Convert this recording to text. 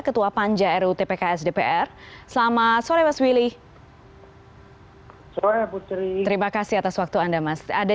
ketua panja rutpks dpr selamat sore mas willy suara putri terima kasih atas waktu anda mas ada